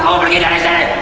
kamu pergi dari sini